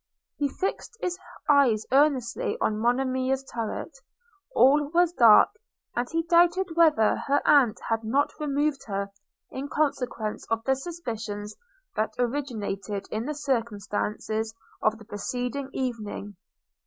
He fixed his eyes earnestly on Monimia's turret: – all was dark; and he doubted whether her aunt had not removed her, in consequence of the suspicions that originated in the circumstances of the preceding evening.